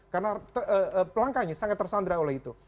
karena langkahnya sangat tersandra oleh itu